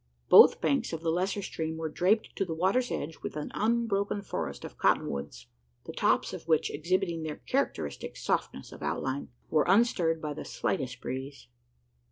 Both banks of the lesser stream were draped to the water's edge with an unbroken forest of cotton woods the tops of which exhibiting their characteristic softness of outline, were unstirred by the slightest breeze.